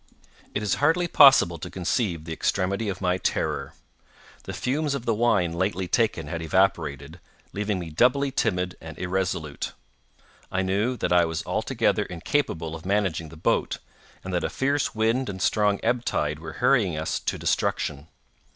It is hardly possible to conceive the extremity of my terror. The fumes of the wine lately taken had evaporated, leaving me doubly timid and irresolute. I knew that I was altogether incapable of managing the boat, and that a fierce wind and strong ebb tide were hurrying us to destruction.